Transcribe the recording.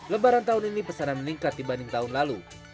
lebaran tahun ini pesanan meningkat dibanding tahun lalu